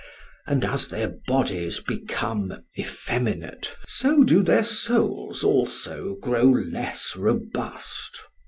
And as their bodies become effeminate, so do their souls also grow less robust.